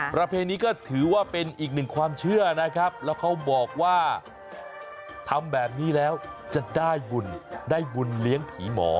ประเพณีก็ถือว่าเป็นอีกหนึ่งความเชื่อนะครับแล้วเขาบอกว่าทำแบบนี้แล้วจะได้บุญได้บุญเลี้ยงผีหมอ